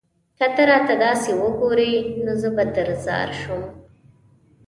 که ته راته داسې وگورې؛ نو زه به درځار شم